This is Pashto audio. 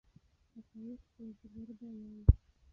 حقایق په زغرده وایي.